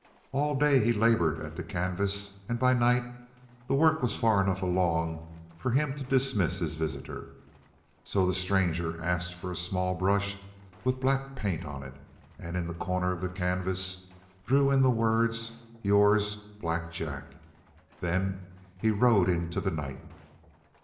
All day he labored at the canvas, and by night the work was far enough along for him to dismiss his visitor. So the stranger asked for a small brush with black paint on it, and in the corner of the canvas drew in the words "Yours, Black Jack." Then he rode into the night.